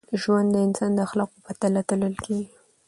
ژوند د انسان د اخلاقو په تله تلل کېږي.